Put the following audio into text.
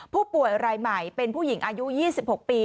ผู้ป่วยรายใหม่เป็นผู้หญิงอายุ๒๖ปี